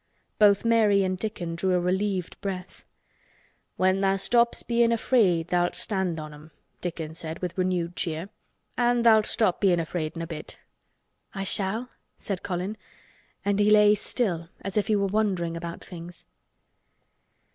Both Mary and Dickon drew a relieved breath. "When tha' stops bein' afraid tha'lt stand on 'em," Dickon said with renewed cheer. "An' tha'lt stop bein' afraid in a bit." "I shall?" said Colin, and he lay still as if he were wondering about things.